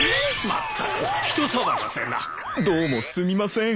どうもすみません。